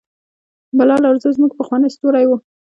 بلال ارزو زموږ پخوانی ستوری و.